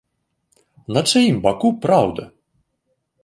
На чыім баку праўда?